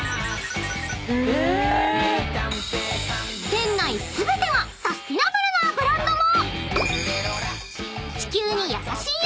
［店内全てがサスティナブルなブランドも！］